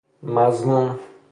مذموم